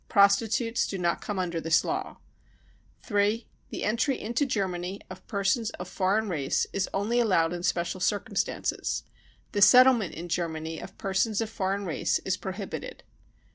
Prostitutes do not come under this law. " 3. The entry into Germany of persons of foreign race is* THE PERSECUTION OF JEWS 283 only allowed in special circumstances. The settlement in Germany of persons of foreign race is prohibited.